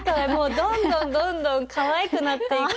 どんどんどんどんかわいくなっていく。